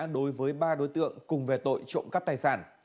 đối với ba đối tượng cùng về tội trộm cắp tài sản